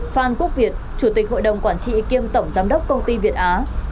phan quốc việt chủ tịch hội đồng quản trị kiêm tổng giám đốc công ty việt á